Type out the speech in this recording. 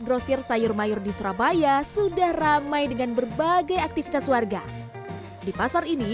grosir sayur mayur di surabaya sudah ramai dengan berbagai aktivitas warga di pasar ini